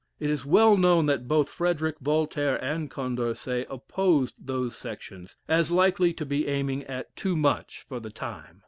It is well known that both Frederick, Voltaire, and Condorcet opposed those sections, as likely to be aiming at too much for the time.